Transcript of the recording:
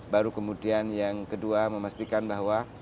baru kemudian yang kedua memastikan bahwa